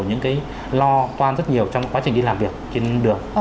những cái lo toan rất nhiều trong quá trình đi làm việc trên đường